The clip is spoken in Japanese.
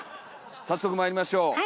早速まいりましょう。